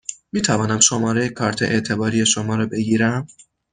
می توانم شماره کارت اعتباری شما را بگیرم؟